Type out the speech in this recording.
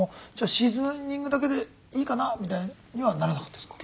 シーズニングだけでいいかなみたいにはならなかったですか？